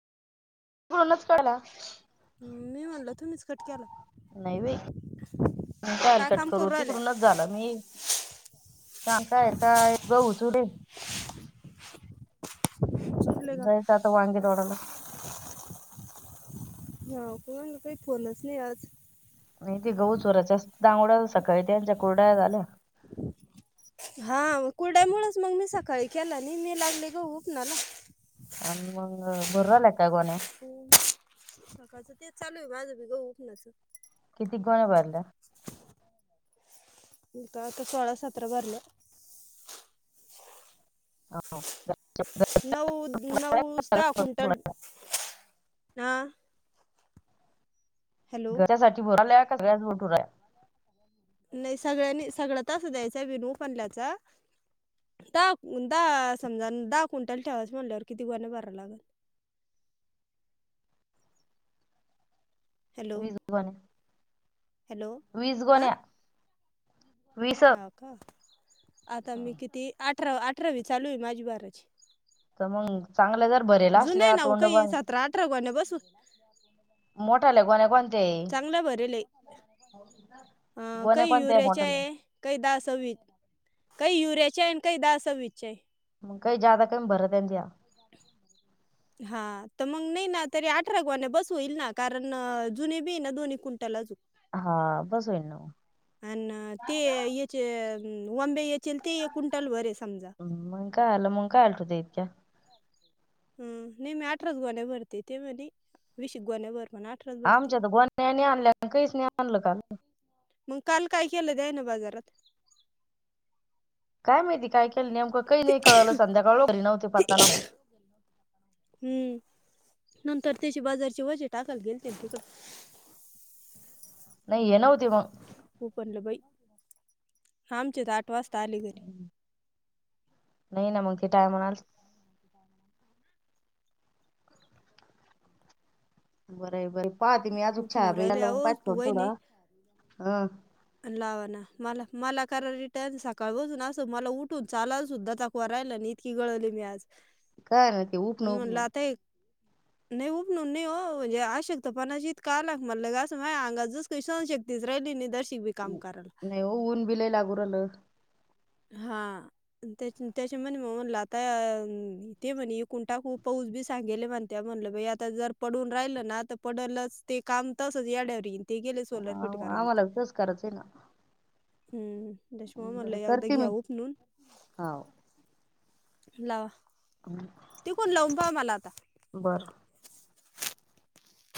म्हणूनच केला. मी म्हणल तुम्हीच कट केला. नाही बाई मी कशाला काय कट काम करू. राहिल्या तिकडूनच झाला मी- हा काय काय गहू चुडून. झोपली का? जायचं आता वांगे तोडायला हा कोणाचा काही फोनच नाही आज. नाही ते गहू चुरायच्यास दांगड सकाळी त्यांच्या कुर्ड्या झाल्या. हा कुरडयामुळेच मग मी सकाळी केला नाही मी लागली गहू [unintelligible] नाला. अन मंग भरवल्या का गोण्या? हो सकाळचं तेच चालू आहे माझं बी गहू उपनाचं. किती गोण्या भरल्या? का आता सोळा सतरा भरल्या. हा [unintelligible] नऊ नऊ दहा क्विंटल हा- हॅलो घरसाठी भराल्या का सगळ्याच भरूल्या. नाही सगळ्या नाही सगळ्या तस द्यायचं विनू पनल्याचा. दहा दहा समजा दहा क्विंटल ठेवाच म्हणल्यावर किती गोण्या भराला लागल? हॅलो वीस गोण्या. हॅलो. वीस हा. गोण्या वीस हा का. आता मी किती अठरा अठरावी चालू आहे माझी भरची. तर मंग चांगलं जर भरेल आहे असल्या ना हो, तोंड काही बांध. सतरा अठरा गोण्या बसू मोठाल्या गोण्या [unintelligible] चांगलं भरेल ए अ गोण्या काही कोणत्या युरियाच्या मोठाल्या आहे. काही दहा स वीज काही युरियाचे आहे आणि काही दहा स वीजचे आहे. मग काही जादा कमी भरा त्यांच्या. हा तर मगं नाही ना तरी अठरा गोण्या बस होईल ना, कारण अं जुने बी ये ना दोन्ही कुंटल अजून. हा बस होईल ना अन् ते हे चे वमबे याचेल ते एक क्विंटल वर आहे समजा मःग काय आलं, मंग काय आलटवते इतक्या हम्म, नही मी अठराच गोण्या भरते ते म्हणी विस एक गोण्या भर म्हणा. अठराच भरते आमच्या तर गोण्या नाही आणल्या, काहीच नाही आणलं काल. मगं काल काय केलं त्यान बाजारात? काय माहिती काय केलं, नेमकं काही नाही कळलं संध्याकाळं झाली तरी घरी नव्हते पत्ता नव्हता. हम्म नंतर त्याची बाजारची वजे टाकायला गेलते तिकडं. नही ये नव्हती म. हो पणलं बाई आमच्या तर आठ वाजता आले घरी. हम्, नाही ना मंग ते टाईमानं आस बरंय, बरंय पाहते मी आजून छाया उपनू ताई ला राहिले फोन अहो तू पाहाते वहिनी थोडं, हं लावा ना मला मला करा रिटर्न, सकाळ पसुन असं मला उठून चालायला सुद्धा ताक उभरायला नाही, इतकी गळाली मी आज. [inaudible] ते उपन म्हणून म्हणल उपन आता हे नाही उपनून नाही हो, हे आशक्त पणाचं इतका आला म्हणलं की माया अंगात जसं सहनशक्तीच राहिलीच नाही तशीबी. नाही हो ऊन बि लैय लागू राहिलं. हा. त्याचे, त्याचे म्हणे म म्हणल आता ते म्हणे इकून टाकू पाऊस बी सांगेल ये म्हण त्या म्हणलं बाई आता, जर पडून राहिलं ना तर, पडलंच ते काम तसंच याड्यावर येईल. ते गेले सोलर फिट हा, करायलात, आम्हाला तसंच करायचंय ना हम्म दशमा [unintelligible] म्हणल अग ती मी हाव लावा. [inaudible] तिकून लावून पाहा मला आता. बरं.